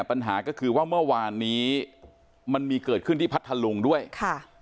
ปัญหาก็คือว่าเมื่อวานนี้มันมีเกิดขึ้นที่พัทธลุงด้วยค่ะ